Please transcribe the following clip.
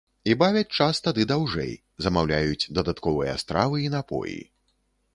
І бавяць час тады даўжэй, замаўляюць дадатковыя стравы і напоі.